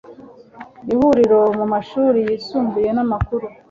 ihuriro mu mashuri yisumbuye n'amakuru